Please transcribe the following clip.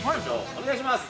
お願いします。